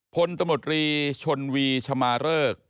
พลตำรวจรีชนวีชมาเริก